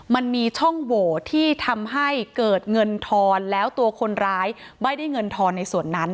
มันมีช่องโหวที่ทำให้เกิดเงินทอนแล้วตัวคนร้ายไม่ได้เงินทอนในส่วนนั้น